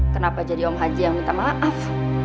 kenapa jadi om haji yang minta maaf